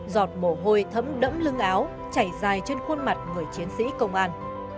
giọt mồ hôi thấm đẫm lưng áo chảy dài trên khuôn mặt người chiến sĩ công an